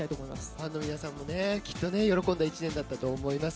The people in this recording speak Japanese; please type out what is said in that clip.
ファンの皆さんもきっと喜んだ１年だったと思います。